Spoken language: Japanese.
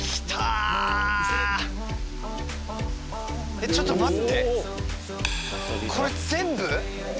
えっちょっと待ってこれ全部！？